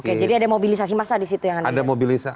oke jadi ada mobilisasi massa disitu yang anda lihat